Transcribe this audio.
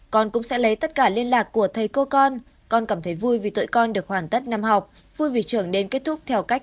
con cũng sẽ lấy tất cả liên lạc của thầy cô con con cảm thấy vui vì tự con được hoàn tất năm học vui vì trường đến kết thúc theo cách